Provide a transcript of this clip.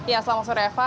ya selama suruh eva